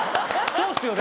そうっすよね。